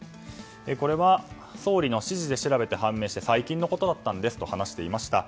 これは総理の指示で調べて判明して、最近のことだったと話していました。